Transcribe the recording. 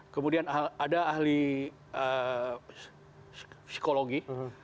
kemudian ada ahli psikologi